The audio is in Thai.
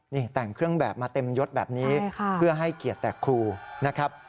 นี่แต่งเครื่องแบบมาเต็มยดแบบนี้เพื่อให้เกียรติแต่ครูนะครับ